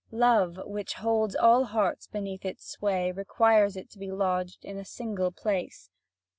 Love, which holds all hearts beneath its sway, requires it to be lodged in a single place.